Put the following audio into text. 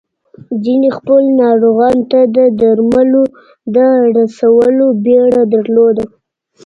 ځينو خپلو ناروغانو ته د درملو د رسولو بيړه درلوده.